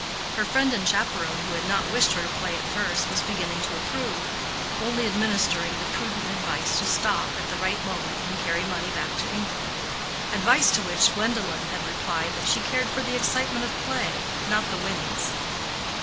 Her friend and chaperon who had not wished her to play at first was beginning to approve, only administering the prudent advice to stop at the right moment and carry money back to England—advice to which Gwendolen had replied that she cared for the excitement of play, not the winnings.